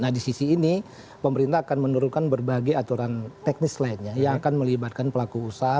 nah di sisi ini pemerintah akan menurunkan berbagai aturan teknis lainnya yang akan melibatkan pelaku usaha